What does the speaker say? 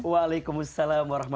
waalaikumsalam wr wb